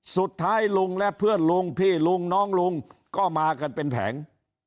สุดท้ายลุงและเพื่อนลุงพี่ลุงน้องลุงก็มากันเป็นแผง